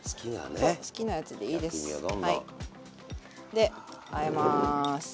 であえます。